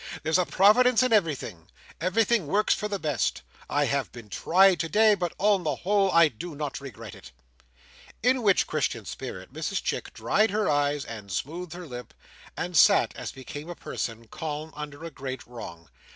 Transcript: There's a providence in everything; everything works for the best; I have been tried today but on the whole I do not regret it." In which Christian spirit, Mrs Chick dried her eyes and smoothed her lap, and sat as became a person calm under a great wrong.